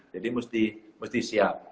jadi mesti siap